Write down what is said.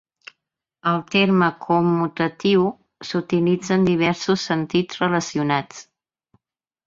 El terme "commutatiu" s"utilitza en diversos sentits relacionats.